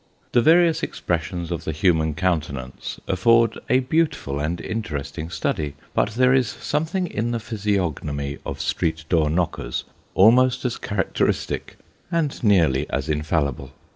The various expressions of the human countenance afford a beautiful and interesting study ; but there is something in the physiognomy of street door knockers, almost as characteristic, and nearly as infallible.